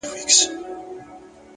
د ځان باور پرمختګ چټکوي.!